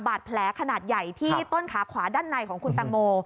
บาดแผลขนาดใหญ่ที่ต้นขาขวาด้านในของคุณตังโม